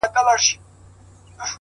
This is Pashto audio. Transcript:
خو دې به سمعې څو دانې بلــــي كړې،